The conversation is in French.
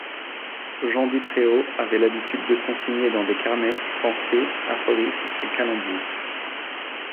Jean Dypréau avait l'habitude de consigner dans des carnets pensées, aphorismes et calembours.